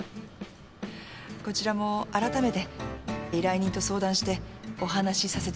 こちらも改めて依頼人と相談してお話させてもらいます。